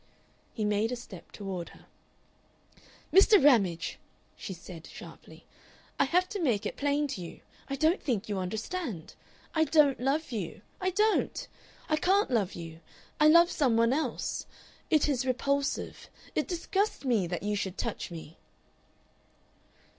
He made a step toward her. "Mr. Ramage," she said, sharply, "I have to make it plain to you. I don't think you understand. I don't love you. I don't. I can't love you. I love some one else. It is repulsive. It disgusts me that you should touch me."